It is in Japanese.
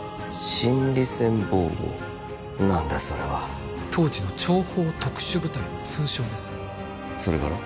何だそれは当時の諜報特殊部隊の通称ですそれから？